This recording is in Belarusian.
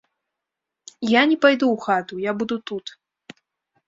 Я не пайду ў хату, я буду тут.